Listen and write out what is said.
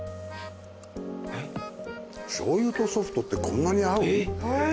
しょうゆとソフトってこんなに合う？